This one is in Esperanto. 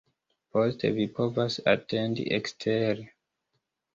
Poste; vi povas atendi ekstere.